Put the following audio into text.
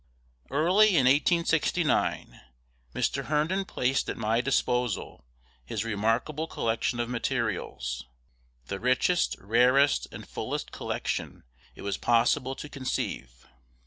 Early in 1869, Mr. Herndon placed at my disposal his remarkable collection of materials, the richest, rarest, and fullest collection it was possible to conceive.